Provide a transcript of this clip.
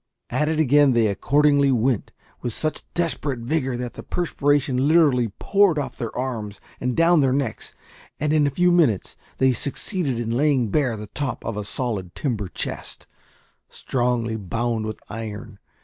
At it again they accordingly went, with such desperate vigour that the perspiration literally poured off their arms and down their necks, and in a few minutes they succeeded in laying bare the top of a solid timber chest, strongly bound with iron.